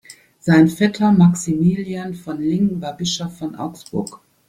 Sein Vetter Maximilian von Lingg war Bischof von Augsburg.